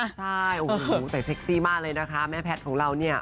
ใช่โอ้โหแต่เซ็กซี่มากเลยนะคะแม่แพทย์ของเราเนี่ย